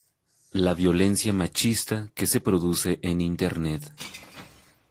La violencia machista que se produce en internet